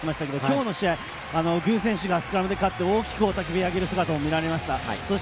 きょうの試合、具選手がスクラムで勝って、大きく雄たけびをあげる姿が見られました。